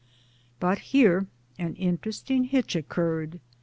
But here an interesting hitch occurred.